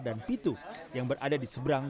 dan pitu yang berada di seberang